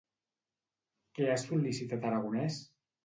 Què ha sol·licitat Aragonès?